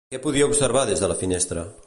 Què podia observar des de la finestra?